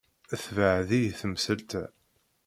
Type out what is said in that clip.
Tebɛed-iyi temsalt-a.